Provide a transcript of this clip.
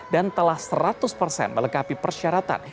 dan telah seratus persen melengkapi persyaratan